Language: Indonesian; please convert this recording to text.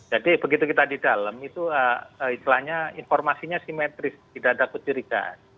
jadi begitu kita di dalam itu istilahnya informasinya simetris tidak ada kejirikan